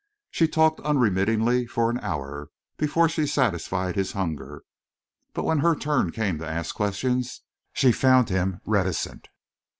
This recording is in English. She talked unremittingly for an hour, before she satisfied his hunger. But when her turn came to ask questions she found him reticent.